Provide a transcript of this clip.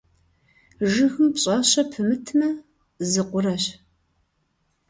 Жыгым пщӀащэ пымытмэ, зы къурэщ.